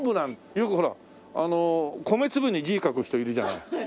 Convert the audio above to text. よくほら米粒に字を書く人いるじゃない。